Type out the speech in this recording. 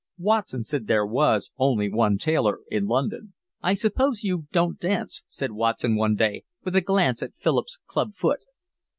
Watson said there was only one tailor in London. "I suppose you don't dance," said Watson, one day, with a glance at Philip's club foot.